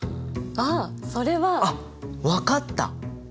ああそれは。あっ分かった！